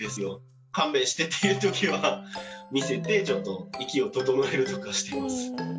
勘弁してっていう時は見せてちょっと息を整えるとかしてます。